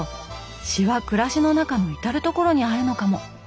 詩は暮らしの中の至る所にあるのかも。